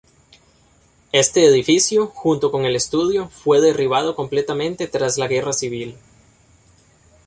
Este edificio, junto con el estudio fue derribado completamente tras la Guerra Civil.